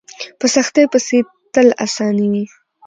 په سختۍ پسې تل اساني وي.